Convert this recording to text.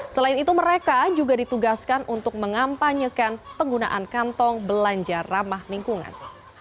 selain itu mereka juga ditugaskan untuk mengampanyekan penggunaan kantong belanja ramah lingkungan